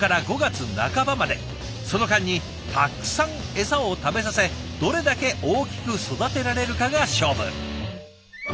その間にたくさんエサを食べさせどれだけ大きく育てられるかが勝負。